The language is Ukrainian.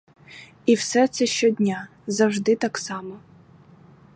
І все це щодня, завжди так само.